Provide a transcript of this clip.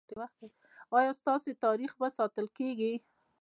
ایا ستاسو تاریخ به ساتل کیږي؟